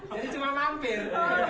jadi cuma mampir